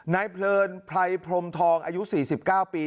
เพลินไพรพรมทองอายุ๔๙ปี